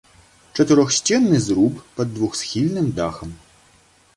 Чатырохсценны зруб пад двухсхільным дахам.